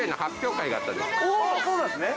ああそうなんですね。